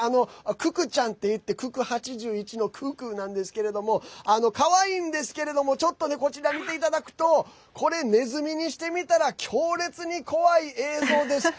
くくちゃんといって九九８１のくくなんですけれどもかわいいんですけれどもちょっとこちら、見ていただくとこれ、ネズミにしてみたら強烈に怖い映像です。